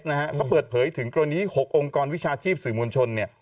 เพราะเผื่อเผยถึงปรณี๖องค์กรวิชาชีพสื่อมวลชน